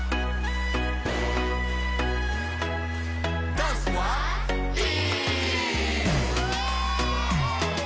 ダンスはＥ！